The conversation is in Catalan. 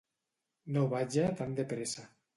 No vaja tan de pressa.